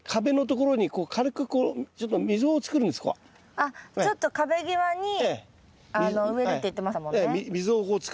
あっちょっと壁際に植えるって言ってましたもんね。